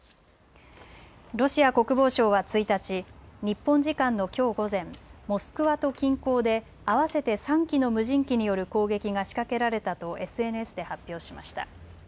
ロシア国防省は１日、日本時間のきょう午前、モスクワと近郊で合わせて３機の無人機による攻撃が仕掛けられたとＳＮＳで発表しました。